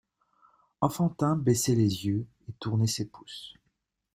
Enfantin baissait les yeux, et tournait ses pouces.